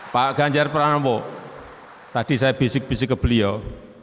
pak ganjar pranowo tadi saya bisik bisik ke beliau